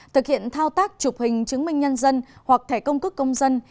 thực hiện thao tác chụp hình chứng minh nhân dân hoặc thẻ công cước công dân